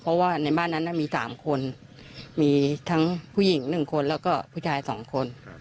เพราะว่าในบ้านนั้นมี๓คนมีทั้งผู้หญิง๑คนแล้วก็ผู้ชาย๒คน